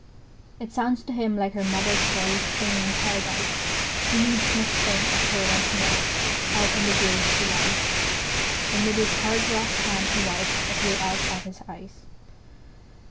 It sounds to him like her mother's voice, Singing in Paradise! He needs must think of her once more How in the grave she lies; And with his hard, rough hand he wipes A tear out of his eyes.